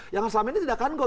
yang selama ini tidak akan gol